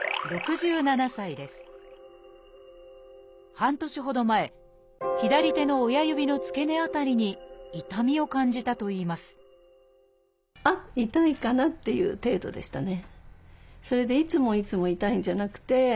半年ほど前左手の親指の付け根辺りに痛みを感じたといいますあっ痛いかなっていう程度でしたね。